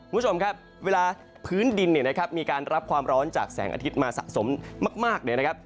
คุณผู้ชมครับเวลาพื้นดินเนี่ยนะครับมีการรับความร้อนจากแสงอาทิตย์มาสะสมมากเนี่ยนะครับ